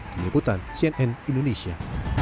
kenyiputan cnn indonesia